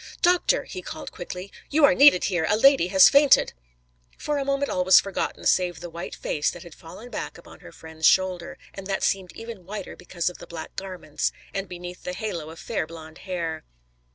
"Doctor!" he called quickly, "you are needed here! A lady has fainted!" For a moment all was forgotten, save the white face that had fallen back upon her friend's shoulder, and that seemed even whiter because of the black garments, and beneath the halo of fair blonde hair.